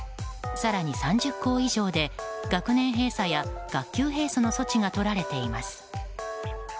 更に３０校以上で学年閉鎖や学級閉鎖の措置が取られています。